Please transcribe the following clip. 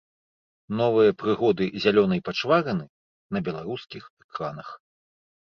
Новыя прыгоды зялёнай пачварыны на беларускіх экранах.